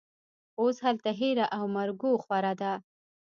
اوس هلته هېره او مرګوخوره ده